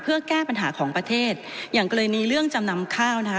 เพื่อแก้ปัญหาของประเทศอย่างกรณีเรื่องจำนำข้าวนะคะ